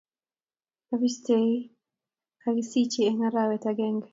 abistei cje kakisich eng arawet agenge